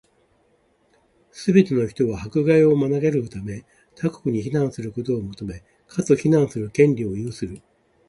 すべて人は、迫害を免れるため、他国に避難することを求め、かつ、避難する権利を有する。